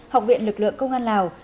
học viện lực lượng công an lào